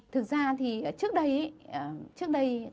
thực ra thì trước đây